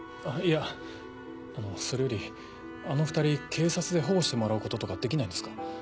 あっいやあのそれよりあの２人警察で保護してもらうこととかできないんですか？